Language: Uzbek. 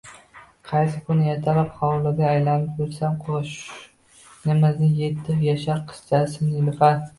Qaysi kuni ertalab hovlida aylanib yursam, qo'shnimizning yetti yashar qizchasi Nilufar